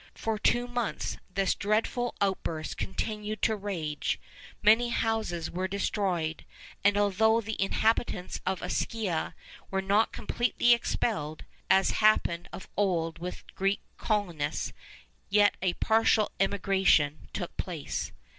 For two months, this dreadful outburst continued to rage; many houses were destroyed; and although the inhabitants of Ischia were not completely expelled, as happened of old with the Greek colonists, yet a partial emigration took place.